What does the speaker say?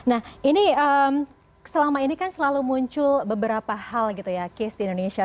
nah ini selama ini kan selalu muncul beberapa hal gitu ya case di indonesia